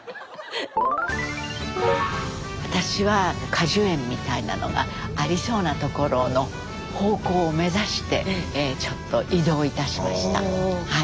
私は果樹園みたいなのがありそうなところの方向を目指してちょっと移動いたしましたはい。